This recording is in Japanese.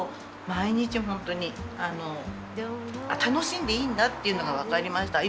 毎日本当に楽しんでいいんだっていうのが分かりました。